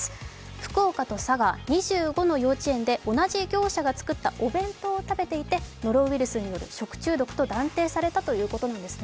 福岡と佐賀、２５の幼稚園で同じ業者が作ったお弁当を食べていて、ノロウイルスによる食中毒だと断定されたということなんですね。